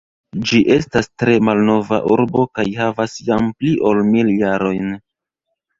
Ĝi estas tre malnova urbo kaj havas jam pli ol mil jarojn.